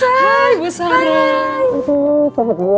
hai bu sara